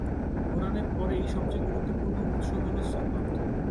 কুরআনের পরেই সবচেয়ে গুরুত্বপূর্ণ উৎস হলো সুন্নত।